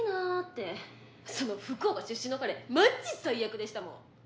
「その福岡出身のカレマジ最悪でしたもん」